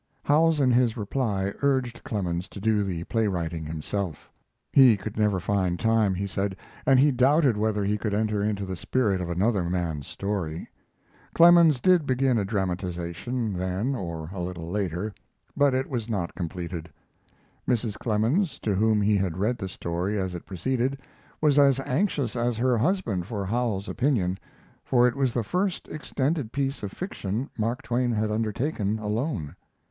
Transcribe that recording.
Howells in his reply urged. Clemens to do the playwriting himself. He could never find time, he said, and he doubted whether he could enter into the spirit of another man's story. Clemens did begin a dramatization then or a little later, but it was not completed. Mrs. Clemens, to whom he had read the story as it proceeded, was as anxious as her husband for Howells's opinion, for it was the first extended piece of fiction Mark Twain had undertaken alone.